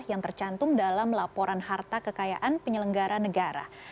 yang tercantum dalam laporan harta kekayaan penyelenggara negara